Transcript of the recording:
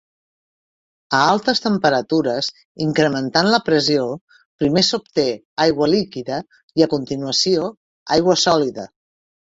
A altes temperatures, incrementant la pressió, primer s'obté aigua líquida i, a continuació, aigua sòlida.